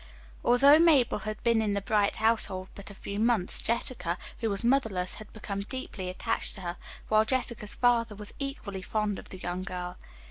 Although Mabel had been in the Bright household but a few months, Jessica, who was motherless, had become deeply attached to her, while Jessica's father was equally fond of the young girl.